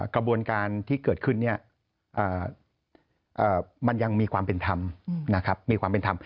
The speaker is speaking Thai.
กระบวนการณ์ที่เกิดขึ้นมันยังมีความเป็นธรรม